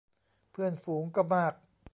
เพื่อนฝูงก็มาก